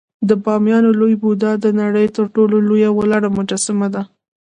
د بامیانو لوی بودا د نړۍ تر ټولو لوی ولاړ مجسمه وه